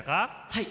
はい。